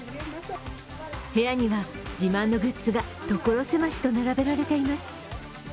部屋には自慢のグッズが所狭しと並べられています。